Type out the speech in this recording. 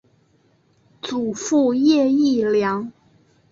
祖父叶益良。